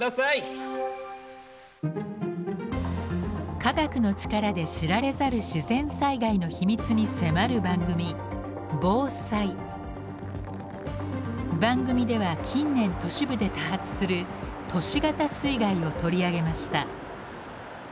科学の力で知られざる自然災害の秘密に迫る番組番組では近年都市部で多発する「都市型水害」を取り上げました。